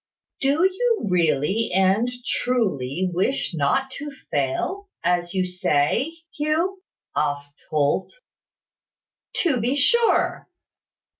"Do you really and truly wish not to fail, as you say, Hugh?" asked Holt. "To be sure."